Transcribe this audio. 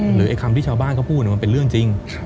ไอ้คำที่ชาวบ้านเขาพูดมันเป็นเรื่องจริง